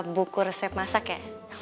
buku resep masak ya